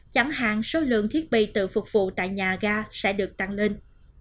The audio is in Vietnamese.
chẳng hạn số lượng thiết bị tự phục vụ tại nhà ga sẽ được tăng lên